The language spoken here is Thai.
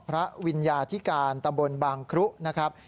วิญญาธิการตำบลบางครุนะครับ